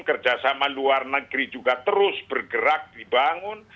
kerjasama luar negeri juga terus bergerak dibangun